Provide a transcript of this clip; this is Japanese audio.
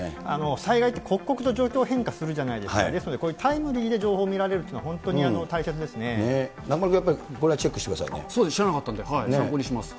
災害って、刻々と状況は変化するじゃないですか、ですのでこういうタイムリーで情報を見られるというのは本当に大中丸君、やっぱりこれはチェそうですね、知らなかったので、参考にします。